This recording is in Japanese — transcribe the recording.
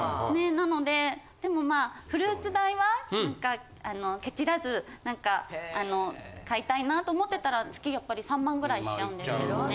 なのででもまあフルーツ代はケチらず買いたいなと思ってたら月３万ぐらいしちゃうんですけどね。